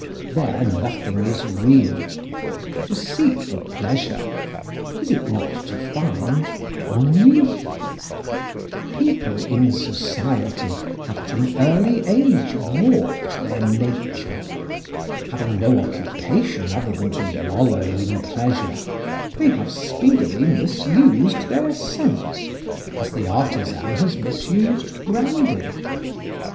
There nothing is real. To seek for pleasure is it not to find ennui? People in society have at an early age warped their nature. Having no occupation other than to wallow in pleasure, they have speedily misused their sense, as the artisan has misused brandy.